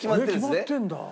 決まってるんだ。